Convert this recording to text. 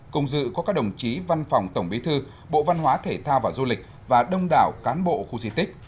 cùng dự có các đồng chí văn phòng tổng bí thư bộ văn hóa thể thao và du lịch và đông đảo cán bộ khu di tích